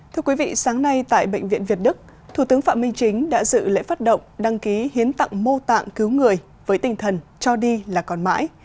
thưa quý vị sáng nay tại bệnh viện việt đức thủ tướng phạm minh chính đã dự lễ phát động đăng ký hiến tặng mô tạng cứu người với tinh thần cho đi là còn mãi